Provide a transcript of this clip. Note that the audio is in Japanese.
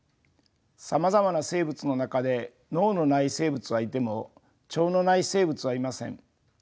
さまざまな生物の中で脳のない生物はいても腸のない生物はいません。